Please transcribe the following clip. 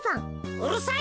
うるさい！